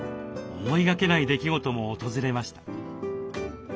思いがけない出来事も訪れました。